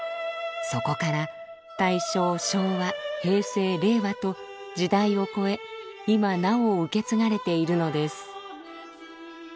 そこから大正昭和平成令和と時代を超え今なお受け継がれているのです。